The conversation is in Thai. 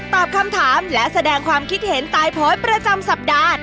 ตอบคำถามและแสดงความคิดเห็นตายโพสต์ประจำสัปดาห์